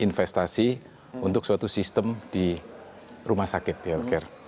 investasi untuk suatu sistem di rumah sakit healthcare